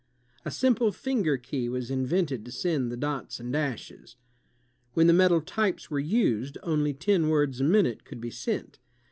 A simple finger key was invented to send the dots and dashes. When the metal types were used, only ten words a minute could be sent.